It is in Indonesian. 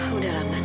sudah lama man